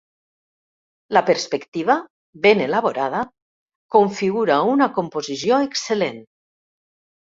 La perspectiva, ben elaborada, configura una composició excel·lent.